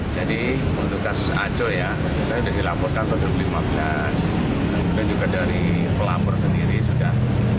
jadi untuk kasus aco ya saya sudah dilaporkan pada dua ribu lima belas dan juga dari pelampor sendiri sudah